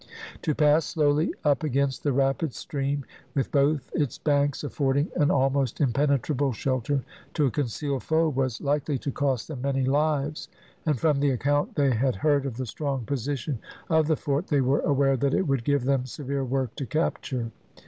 To pass slowly up against the rapid stream with both its banks affording an almost impenetrable shelter to a concealed foe was likely to cost them many lives, and from the account they had heard of the strong position of the fort they were aware that it would give them severe work to capture.